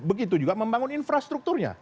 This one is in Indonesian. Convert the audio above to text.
begitu juga membangun infrastrukturnya